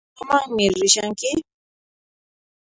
Imamanmi rishanki?